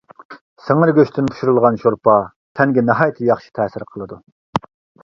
سىڭىر گۆشتىن پىشۇرۇلغان شورپا تەنگە ناھايىتى ياخشى تەسىر قىلىدۇ.